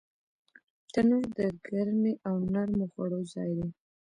تنور د ګرمۍ او نرمو خوړو ځای دی